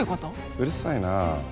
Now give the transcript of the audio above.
うるさいなあ